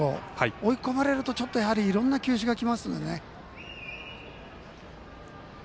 追い込まれると、ちょっといろんな球種がきますのでね。